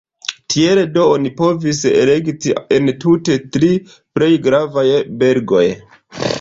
Tiel do oni povis elekti entute tri plej gravaj belgoj.